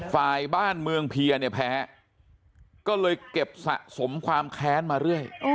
ฝ่ายบ้านเมืองเพียเนี่ยแพ้ก็เลยเก็บสะสมความแค้นมาเรื่อย